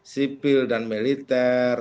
sipil dan militer